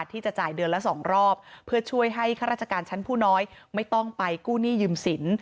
ที่จะจ่ายเดือนละสองรอบเพื่อช่วยให้ข้าราชการชั้นผู้น้อยไม่ต้องไปกู้หนี้ยืมสิน